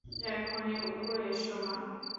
এক্ষুনি উপরে এসো, মা!